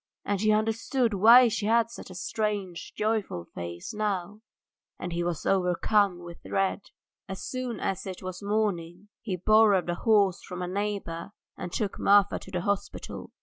And he understood why she had such a strange, joyful face now, and he was overcome with dread. As soon as it was morning he borrowed a horse from a neighbour and took Marfa to the hospital.